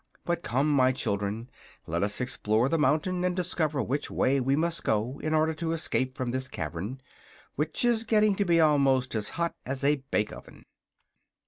But come, my children; let us explore the mountain and discover which way we must go in order to escape from this cavern, which is getting to be almost as hot as a bake oven."